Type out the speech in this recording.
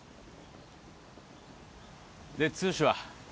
で剛は？